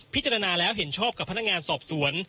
พิจารณาแล้วเห็นชอบกับพนักงานสอบสวน